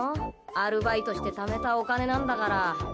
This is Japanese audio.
アルバイトしてためたお金なんだから。